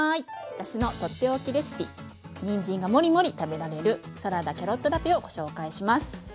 私のとっておきレシピにんじんがモリモリ食べられるサラダキャロットラペをご紹介します！